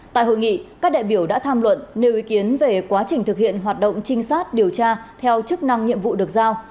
tại hội nghị các đại biểu đã tham luận nêu ý kiến về quá trình thực hiện hoạt động trinh sát điều tra theo chức năng nhiệm vụ được giao